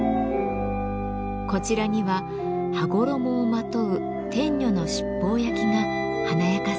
こちらには羽衣をまとう天女の七宝焼きが華やかさを添えます。